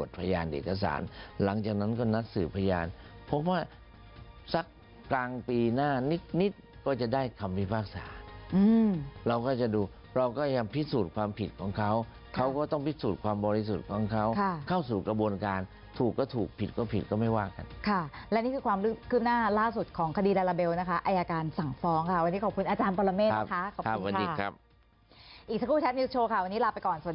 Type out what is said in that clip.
ว่าสัญญาณนาฬิกาเขายังสมบูรณ์แบบเดินตรงเป๊ะ